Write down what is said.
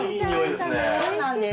そうなんです。